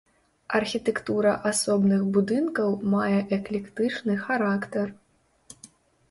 Архітэктура асобных будынкаў мае эклектычны характар.